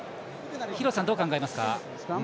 廣瀬さん、どう考えますか？